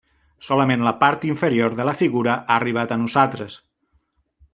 Solament la part inferior de la figura ha arribat a nosaltres.